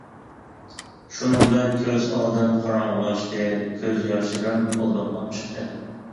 شۇنىڭ بىلەن كۆز ئالدىم قاراڭغۇلاشتى، كۆز ياشلىرىم بۇلدۇقلاپ چىقتى.